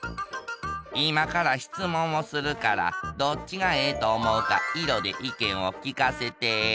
いまからしつもんをするからどっちがええとおもうか色で意見をきかせて。